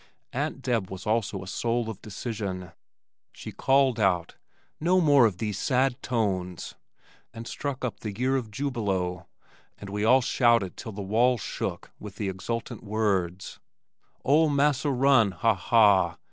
Aunt Deb was also a soul of decision. She called out, "No more of these sad tones," and struck up "The Year of Jubilo," and we all shouted till the walls shook with the exultant words: Ol' massa run ha ha!